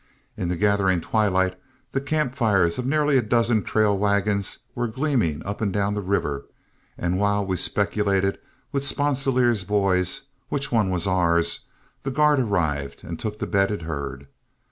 In the gathering twilight, the camp fires of nearly a dozen trail wagons were gleaming up and down the river, and while we speculated with Sponsilier's boys which one was ours, the guard arrived and took the bedded herd.